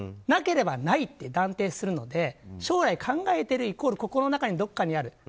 なければないって断定するので将来考えているイコール心の中にどこかにある。